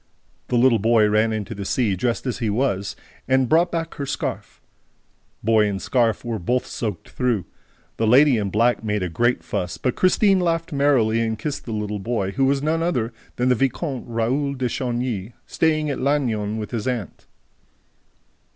The little boy ran into the sea, dressed as he was, and brought her back her scarf. Boy and scarf were both soaked through. The lady in black made a great fuss, but Christine laughed merrily and kissed the little boy, who was none other than the Vicomte Raoul de Chagny, staying at Lannion with his aunt.